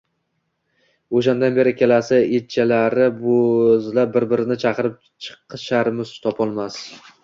O'shandan beri ikkalasi ecchalari bo'zlab bir-birini chaqirib chiqisharmishu, topolmas